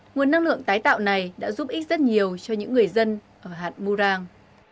nguồn năng lượng tái tạo này đã giúp ích rất nhiều cho những người dân ở hạn murang